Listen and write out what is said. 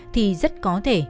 thì rất có thể